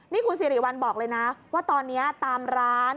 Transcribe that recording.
นี่คุณสิริวัลบอกเลยนะว่าตอนนี้ตามร้าน